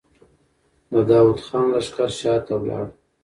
د داوود خان لښکر شاته لاړ.